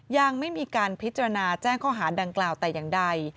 ยังไม่มีการพิจารณาแจ้งข้อหาดังกล่าวแต่อย่างใด